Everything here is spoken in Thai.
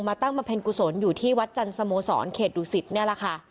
ตั้งบำเพ็ญกุศลอยู่ที่วัดจันทร์สโมสรเขตดุสิตนี่แหละค่ะ